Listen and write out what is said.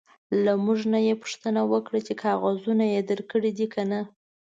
له موږ نه یې پوښتنه وکړه چې کاغذونه درکړي دي که نه.